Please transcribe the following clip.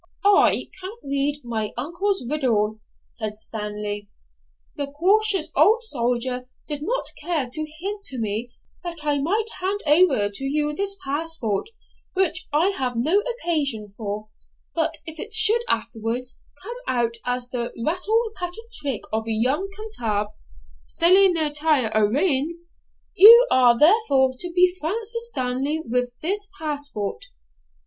'I can read my uncle's riddle,' said Stanley;'the cautious old soldier did not care to hint to me that I might hand over to you this passport, which I have no occasion for; but if it should afterwards come out as the rattle pated trick of a young Cantab, cela ne tire a rien. You are therefore to be Francis Stanley, with this passport.'